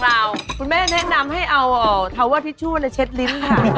เราก็ชิม